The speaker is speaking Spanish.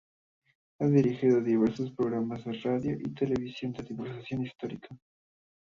Ha dirigido diversos programas de radio y televisión de divulgación histórica.